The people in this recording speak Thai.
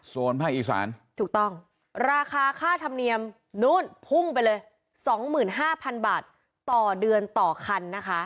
ภาคอีสานถูกต้องราคาค่าธรรมเนียมนู้นพุ่งไปเลย๒๕๐๐๐บาทต่อเดือนต่อคันนะคะ